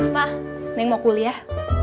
pak neng mau kuliah